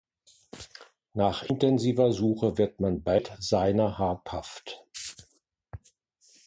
Nach intensiver Suche wird man bald seiner habhaft.